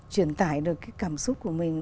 truyền tải được cái cảm xúc của mình